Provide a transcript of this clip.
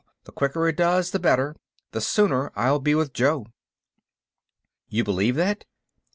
The quicker it does, the better—the sooner I'll be with Jo." "You believe that?"